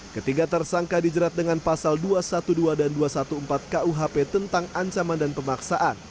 ketiga tersangka dijerat dengan pasal dua ratus dua belas dan dua ratus empat belas kuhp tentang ancaman dan pemaksaan